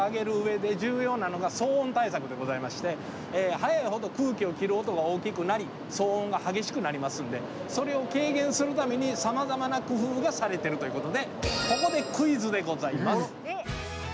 速いほど空気を切る音が大きくなり騒音が激しくなりますんでそれを軽減するためにさまざまな工夫がされてるということでここでクイズでございます。